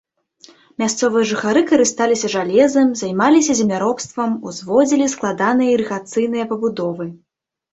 Мясцовыя жыхары карысталіся жалезам, займаліся земляробствам, узводзілі складаныя ірыгацыйныя пабудовы.